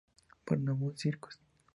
Barnum Circus.